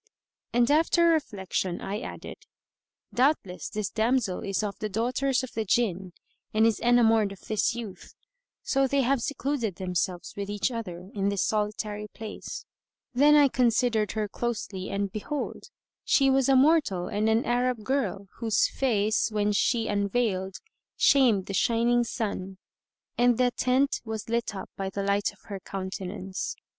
And after reflection I added, "Doubtless this damsel is of the daughters of the Jinn and is enamoured of this youth; so they have secluded themselves with each other in this solitary place." Then I considered her closely and behold, she was a mortal and an Arab girl, whose face, when she unveiled, shamed the shining sun, and the tent was lit up by the light of her countenance.